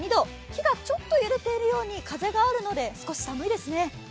木がちょっと揺れているように風があるので、少し寒いですね。